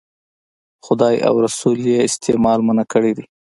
خدای او رسول یې استعمال منع کړی دی.